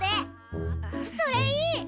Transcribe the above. それいい！